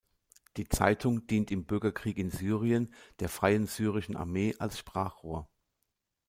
Die Zeitung dient im Bürgerkrieg in Syrien der Freien Syrischen Armee als Sprachrohr.